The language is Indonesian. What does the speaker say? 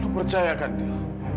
lo percayakan dil